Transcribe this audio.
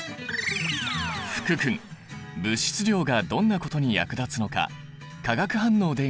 福君物質量がどんなことに役立つのか化学反応で見てみよう。